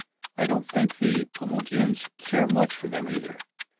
I don't think the Paumotuans care much for them, either.